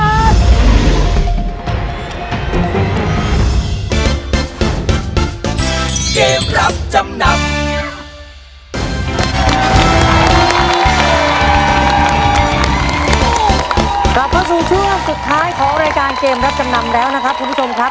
กลับเข้าสู่ช่วงสุดท้ายของรายการเกมรับจำนำแล้วนะครับคุณผู้ชมครับ